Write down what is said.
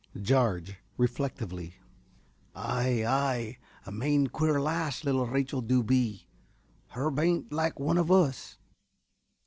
~Jarge~ (reflectively). Ay, ay. A main queer lass little Rachel du be. Her bain't like one of us.